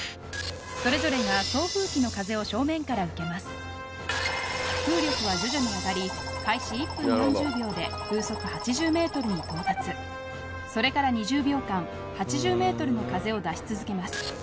それぞれが風力は徐々に上がり開始１分４０秒で風速８０メートルに到達それから２０秒間８０メートルの風を出し続けます